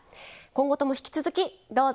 今後とも引き続きどうぞ。